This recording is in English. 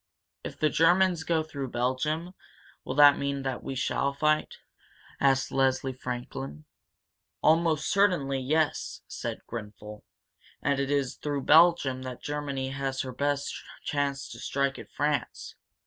"If the Germans go through Belgium, will that mean that we shall fight?" asked Leslie Franklin. "Almost certainly, yes," said Grenfel. "And it is through Belgium that Germany has her best chance to strike at France.